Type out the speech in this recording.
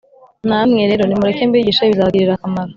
Namwe rero, nimureke mbigishe bizabagirira akamaro.